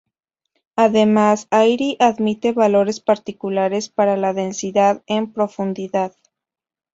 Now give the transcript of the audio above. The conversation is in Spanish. Además, Airy admite valores particulares para la densidad en profundidad.